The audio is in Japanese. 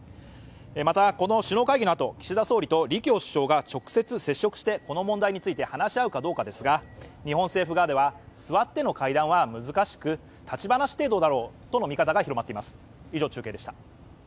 また、この首脳会議のあと、岸田総理と李強首相が直接接触して話し合うかどうかですが日本政府側では座っての会談は難しく立ち話程度だろうとの見方が広まっています。